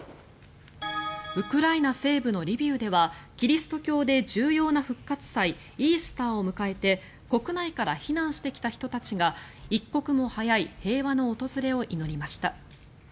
ウクライナ西部のリビウではキリスト教で重要な復活祭イースターを迎えて国内から避難してきた人たちが一刻も早い平和の訪れを祈りました。